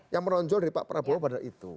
yang menonjol dari pak prabowo pada itu